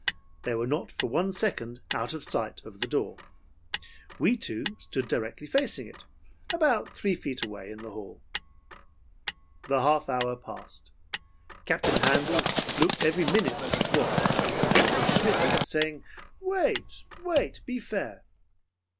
They were not for one second out of sight of the door. "We two stood directly facing it about three feet away in the hall. "The half hour passed. Captain Handel looked every minute at his watch, and Captain Schmitt kept saying, 'Wait, wait; be fair.'